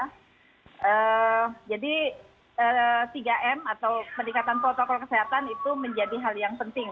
jadi tiga m atau peningkatan protokol kesehatan itu menjadi hal yang penting